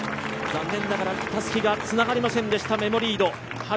残念ながらたすきがつながりませんでした、メモリード。